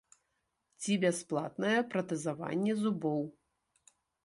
Ці бясплатнае пратэзаванне зубоў.